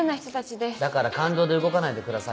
だから感情で動かないでくださいと。